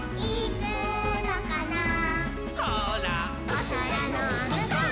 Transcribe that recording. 「おそらのむこう！？